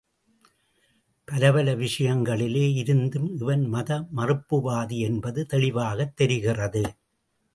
பலப்பல விஷயங்களிலே இருந்தும் இவன் மத மறுப்புவாதி என்பது தெளிவாகத் தெரிகிறது.